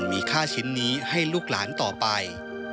มีค่าชิ้นนี้ให้ลูกหลานต่อไป